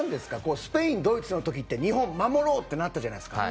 スペイン、ドイツの時って日本、守ろうってなったじゃないですか。